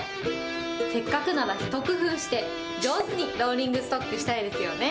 せっかくなら一工夫して、上手にローリングストックしたいですよね。